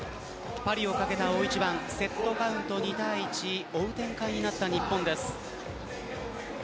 パリを懸けた大一番セットカウント２−１の展開になった日本です。